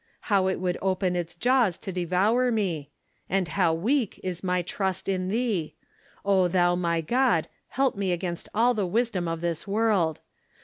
How it would open its jaws to devour me ! And how Aveak is my trust in thee ! O thou my God, help me against all the wisdom of this world